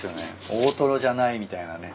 大とろじゃないみたいなね。